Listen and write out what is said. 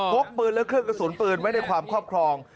กปืนและเครื่องกระสุนปืนไว้ในความครอบครอง